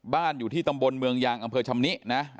อยู่ที่ตำบลเมืองยางอำเภอชำนินะ